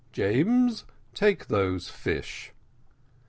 James, take those fish."